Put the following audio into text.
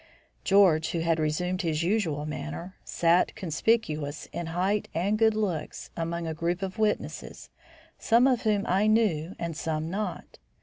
George, who had resumed his usual manner, sat, conspicuous in height and good looks, among a group of witnesses, some of whom I knew and some not.